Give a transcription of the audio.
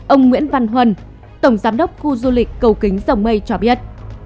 ông nguyễn văn huân tổng giám đốc khu du lịch cầu kính rồng mây cho biết